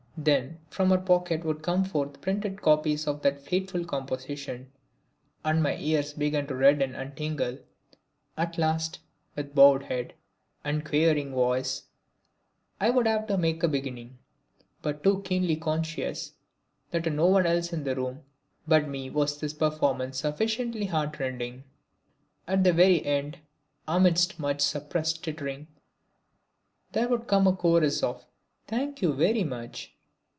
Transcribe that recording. Then from her pocket would come forth printed copies of that fateful composition, and my ears begin to redden and tingle. And at last, with bowed head and quavering voice I would have to make a beginning but too keenly conscious that to none else in the room but me was this performance sufficiently heartrending. At the end, amidst much suppressed tittering, there would come a chorus of "Thank you very much!"